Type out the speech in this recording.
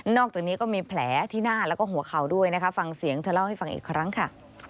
อกจากนี้ก็มีแผลที่หน้าแล้วก็หัวเข่าด้วยนะคะฟังเสียงเธอเล่าให้ฟังอีกครั้งค่ะ